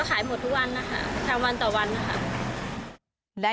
ขายหมดทุกวันนะคะทำวันต่อวันนะคะ